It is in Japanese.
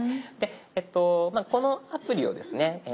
このアプリをですね